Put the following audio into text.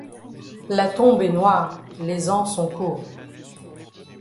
La tombe est noire, Les ans sont courts.